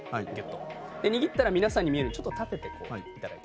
握ったら皆さんに見えるようちょっと立てていただいて。